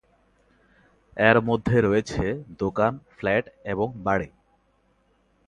এর মধ্যে রয়েছে দোকান, ফ্ল্যাট এবং বাড়ি।